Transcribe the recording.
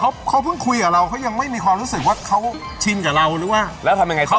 อ๋อบอกแค่ชื่อโรงแรม